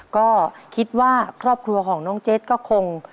ก็คิดว่าครอบครัวของน้องเจ็ดก็คง